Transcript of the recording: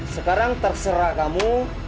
sekarang terserah kamu